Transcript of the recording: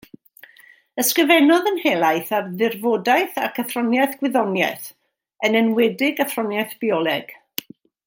Ysgrifennodd yn helaeth ar ddirfodaeth ac athroniaeth gwyddoniaeth, yn enwedig athroniaeth bioleg.